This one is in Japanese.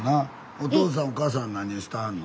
お父さんお母さん何をしてはんの？